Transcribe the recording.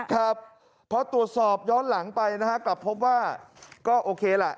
ครับพอตรวจสอบย้อนหลังไปนะฮะกลับพบว่าก็โอเคล่ะ